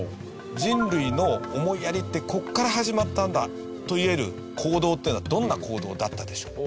人類の思いやりってここから始まったんだといえる行動っていうのはどんな行動だったでしょう？